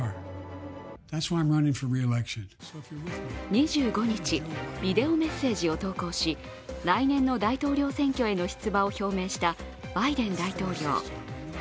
２５日、ビデオメッセージを投稿し来年の大統領選挙への出馬を表明したバイデン大統領。